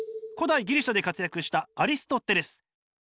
古代ギリシアで活躍したアリストテレス。